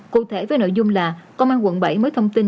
cụ thể với nội dung là công an quận bảy mới thông tin